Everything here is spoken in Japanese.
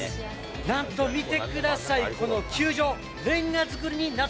なんと見てください、この球場。